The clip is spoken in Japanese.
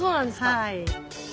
はい。